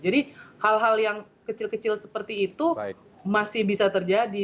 jadi hal hal yang kecil kecil seperti itu masih bisa terjadi